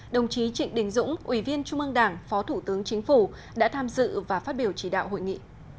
đồng chí trịnh đình dũng ủy viên trung ương đảng phó thủ tướng chính phủ đã tham dự và phát biểu chỉ đạo hội nghị